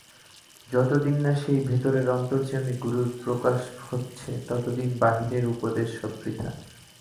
যতদিন না সেই ভিতরের অন্তর্যামী গুরুর প্রকাশ হচ্ছে, ততদিন বাহিরের উপদেশ সব বৃথা।